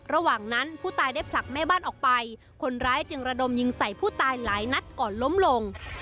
ระหว่างนั้นผู้ตายได้ผลักแม่บ้านออกไปคนร้ายจึงระดมยิงใส่ผู้ตายหลายนัดก่อนล้มลง